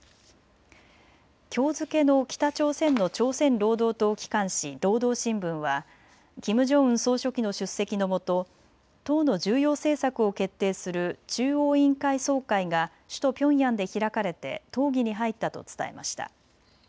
きょう付けの北朝鮮の朝鮮労働党機関紙、労働新聞はキム・ジョンウン総書記の出席のもと党の重要政策を決定する中央委員会総会が首都ピョンヤンで開かれて討議に入ったと伝えました。